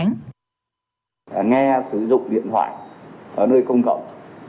nghe sử dụng điện thoại ở nơi công cộng